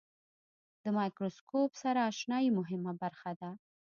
د مایکروسکوپ سره آشنایي مهمه برخه ده.